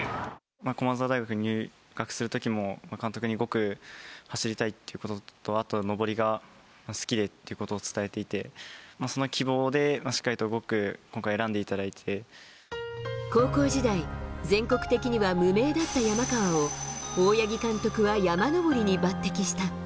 駒澤大学に入学するときも、監督に５区、走りたいということと、あと上りが好きでっていうことを伝えていて、その希望で、しっか高校時代、全国的には無名だった山川を、大八木監督は山上りに抜てきした。